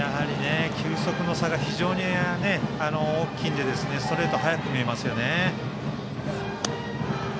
球速の差が大きいのでストレートも速く見えますね。